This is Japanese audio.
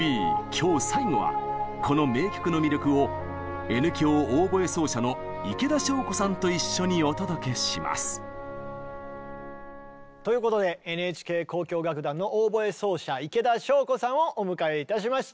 今日最後はこの名曲の魅力をと一緒にお届けします。ということでＮＨＫ交響楽団のオーボエ奏者池田昭子さんをお迎えいたしました。